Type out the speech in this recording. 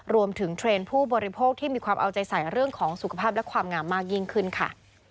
เทรนด์ผู้บริโภคที่มีความเอาใจใส่เรื่องของสุขภาพและความงามมากยิ่งขึ้นค่ะ